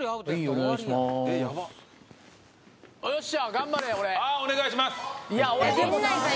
はいお願いします